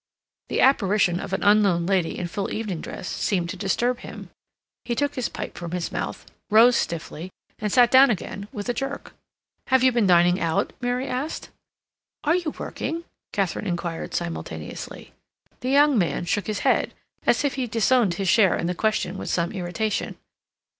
The apparition of an unknown lady in full evening dress seemed to disturb him. He took his pipe from his mouth, rose stiffly, and sat down again with a jerk. "Have you been dining out?" Mary asked. "Are you working?" Katharine inquired simultaneously. The young man shook his head, as if he disowned his share in the question with some irritation.